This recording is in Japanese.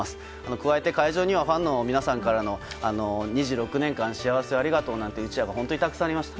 加えて、会場にはファンの皆さんからの２６年の幸せをありがとうなんてうちわが本当にたくさんありました。